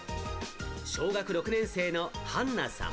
小学６年生のはんなさん。